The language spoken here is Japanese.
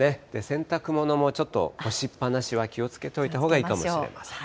洗濯物もちょっと干しっぱなしは気をつけておいたほうがいいかもしれません。